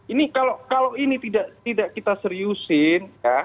ini kalau ini tidak kita seriusin